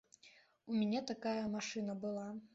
У мяне такая машына была.